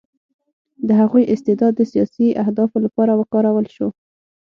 د هغوی استعداد د سیاسي اهدافو لپاره وکارول شو